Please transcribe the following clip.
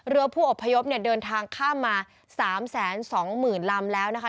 เรือผู้อบพยพเนี่ยเดินทางข้ามมา๓๒๐๐๐ลำแล้วนะคะ